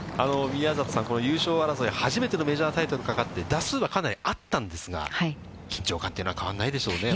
宮里さん、この優勝争い、初めてのメジャータイトルかかって、打数はかなりあったんですが、緊張感というのは変わらないでしょうね。